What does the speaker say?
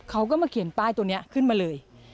เขาก็มาเขียนป้ายตัวนี้ขึ้นมาเลย